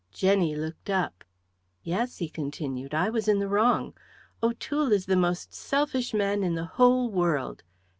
Jenny looked up. "Yes," he continued. "I was in the wrong. O'Toole is the most selfish man in the whole world.